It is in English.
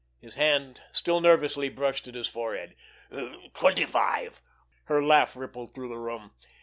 His hand still nervously brushed at his forehead. "Twenty five." Her laugh rippled through the room.